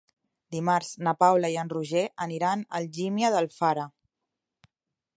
Dimarts na Paula i en Roger aniran a Algímia d'Alfara.